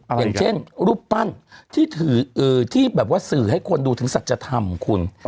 อย่างเช่นรูปปั้นที่แบบว่าสื่อให้คนดูถึงสัจธรรมคุณ